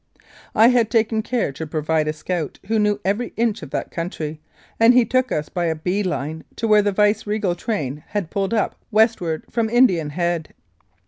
I had taken care to provide a scout who knew every inch of that country, and he took us by a bee line to where the viceregal train had pulled up westward from Indian Head.